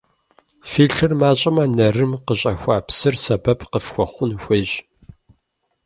Фи лъыр мащӀэмэ, нарым къыщӏахуа псыр сэбэп къыфхуэхъун хуейщ.